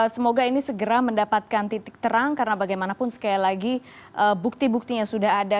semoga ini segera mendapatkan titik terang karena bagaimanapun sekali lagi bukti buktinya sudah ada